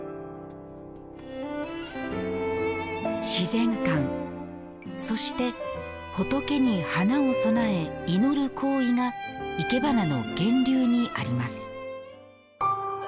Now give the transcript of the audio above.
自然観そして、仏に花を供え祈る行為がいけばなの源流にあります。